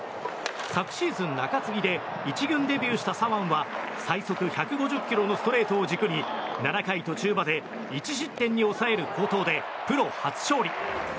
昨シーズン、中継ぎで１軍デビューした左腕は最速１５０キロのストレートを軸に７回途中まで１失点に抑える好投でプロ初勝利。